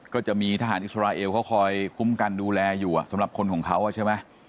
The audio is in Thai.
ก็จะมีทหารอิสราเอลเขาคอยคุ้มกันดูแลอยู่สำหรับคนของเขาใช่ไหม